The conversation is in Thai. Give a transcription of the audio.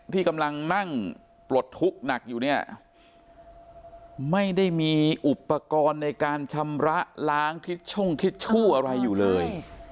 ที่กำลังนั่งปลดทุกข์หนักอยู่เนี่ยไม่ได้มีอุปกรณ์ในการชำระล้างทิศช่องทิชชู่อะไรอยู่เลย